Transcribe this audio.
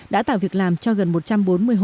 đã tạo việc làm cho gần một trăm bốn mươi hộ